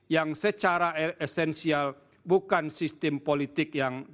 yang secara esensial bukan sistem politik yang